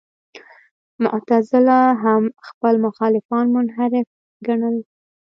معتزله هم خپل مخالفان منحرف ګڼل.